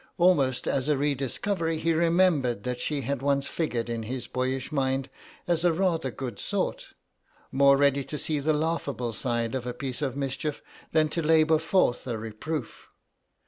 Almost as a re discovery he remembered that she had once figured in his boyish mind as a "rather good sort," more ready to see the laughable side of a piece of mischief than to labour forth a reproof.